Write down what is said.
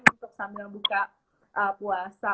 untuk sambil buka puasa